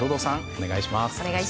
お願いします。